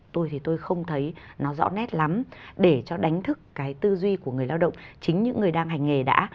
tôi thì tôi không thấy nó rõ nét lắm để cho đánh thức cái tư duy của người lao động chính những người đang hành nghề đã